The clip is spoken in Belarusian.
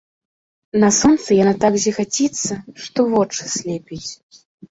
На сонцы яна так зіхаціцца, што вочы слепіць.